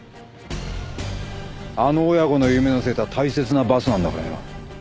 あの親子の夢乗せた大切なバスなんだからよ。